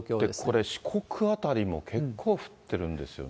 これ、四国辺りも結構降ってるんですよね。